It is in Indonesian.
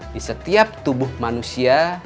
di setiap tubuh manusia